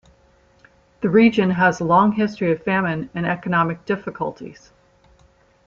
The region has a long history of famine and economic difficulties.